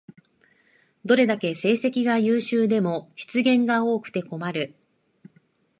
どれだけ成績が優秀でも失言が多くて困る